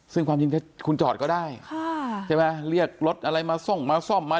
ซึ่งความจริงคุณจอดก็ได้ใช่ไหมเรียกรถอะไรมาซ่อมมาดูก่อนก็ได้